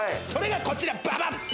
それが、こちら、ババン！